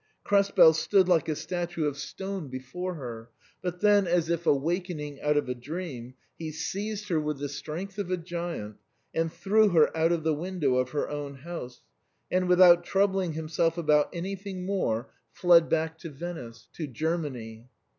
Krespel stood like a statue of stone before her ; but then, as if awakening out of a dream, he seized her with the strength of a giant and threw her out of the window of her own house, and, without troubling himself about anything more, fled back to Venice — to Germany.